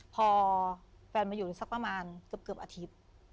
พอแฟนมาอยู่สักประมาณเกือบอาทิตย์